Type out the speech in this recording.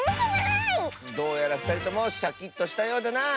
どうやらふたりともシャキッとしたようだな！